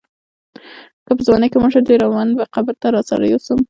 که په ځوانۍ کې مړ شوم ډېر ارمانونه به قبر ته راسره یوسم.